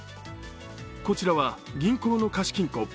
こちらは銀行の貸金庫。